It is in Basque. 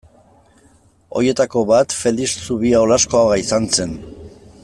Horietako bat Felix Zubia Olaskoaga izan zen.